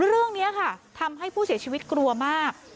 เรื่องนี้ค่ะทำให้ผู้เสียชีวิตกลัวมาก